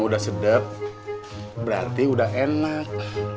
udah sedap berarti udah enak